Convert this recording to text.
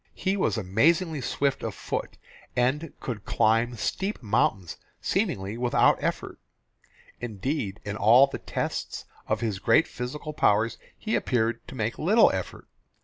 He was amazingly swift of foot, and could climb steep mountains seemingly without effort. Indeed in all the tests of his great physical powers he appeared to make little effort.